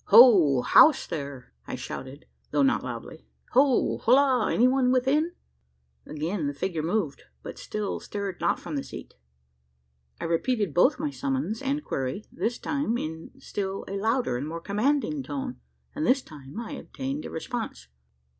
"Ho! house, there!" I shouted, though not loudly; "ho! holloa! any one within?" Again the figure moved but still stirred not from the seat! I repeated both my summons and query this time in still a louder and more commanding tone; and this time I obtained a response.